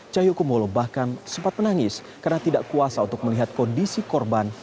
cahyokumolo bahkan sempat menangis karena tidak kuasa untuk melihat kondisi korban